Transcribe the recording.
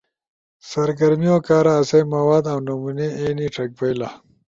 سرگرمیو کارا آسئی مواد اؤ نمونے اینی ݜک بئیلا